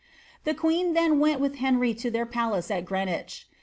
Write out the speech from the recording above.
The queen then went wit' :.■ Uieir palace at Greenwich.